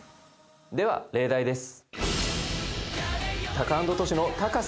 では例題です。